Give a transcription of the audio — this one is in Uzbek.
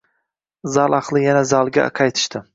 Zal ahli yana zalga qaytishdi.